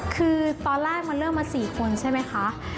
คือตอนแรกมันเริ่มมา๔คนใช่ไหมคะ